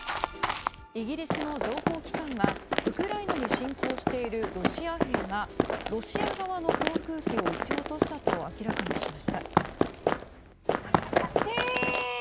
イギリスの情報機関がウクライナに侵攻しているロシア兵がロシア側の航空機を撃ち落としたと明らかにしました。